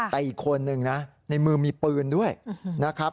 แต่อีกคนนึงนะในมือมีปืนด้วยนะครับ